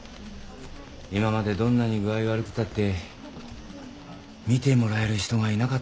今までどんなに具合が悪くたって診てもらえる人がいなかったんだもんなあ。